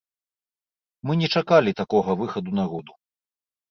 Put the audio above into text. Мы не чакалі такога выхаду народу.